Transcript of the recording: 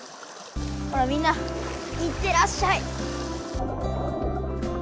ほらみんな行ってらっしゃい。